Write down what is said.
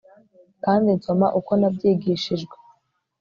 Kandi nsoma uko nabyigishijwe